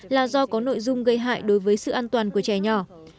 là do có nội dung gây hại đối với sự an toàn của trẻ nhỏ